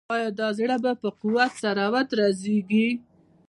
آیا دا زړه به په قوت سره ودرزیږي؟